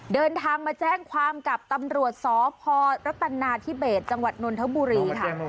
เดินทางมาแจ้งความกับตำรวจสพรัฐนาธิเบสจังหวัดนนทบุรีค่ะ